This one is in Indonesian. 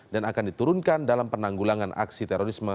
dan akan diturunkan dalam penanggulangan aksi terorisme